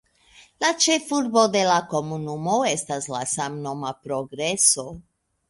La ĉefurbo de la komunumo estas la samnoma Progreso.